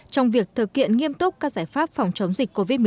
trong việc thực hiện nghiêm túc các giải pháp phòng chống dịch covid một mươi chín